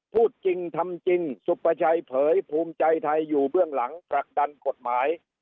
พูดจริงทำจริงสุปชัยเผยภูมิใจไทยอยู่เบื้องหลังผลักดันกฎหมาย